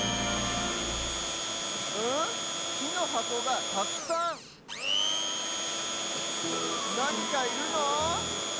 きのはこがたくさんなにかいるの？